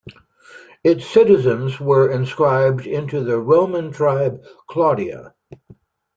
Its citizens were inscribed into the Roman tribe, "Claudia".